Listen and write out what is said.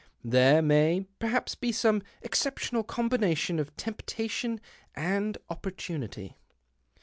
There may, perhaps, be some exceptional combination of temptation and opportunity.